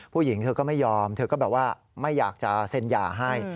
ผู้หญิงเธอก็ไม่ยอมเธอก็แบบว่าไม่อยากจะเซ็นหย่าให้